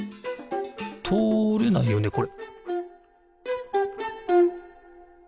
とおれないよねこれ？